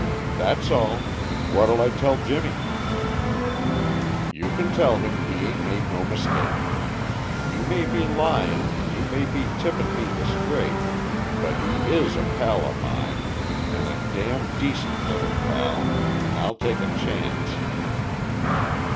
"That's all. What'll I tell Jimmie?" "You can tell him he ain't made no mistake. You may be lyin' an' you may be tippin' me the straight. But he is a pal of mine an' a damn decent little pal, an' I'll take a chance."